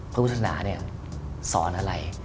พระพุทธศนาสอนอะไร